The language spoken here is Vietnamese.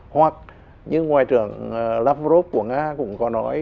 hoặc như ngoại trưởng lavrov của nga cũng có nói